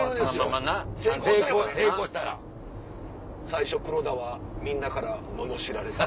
「最初黒田はみんなからののしられた」。